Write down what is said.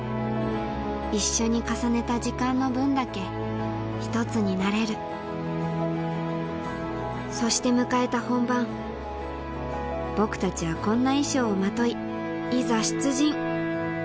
一緒に重ねた時間の分だけ１つになれるそして迎えた本番僕たちはこんな衣装をまといいざ出陣！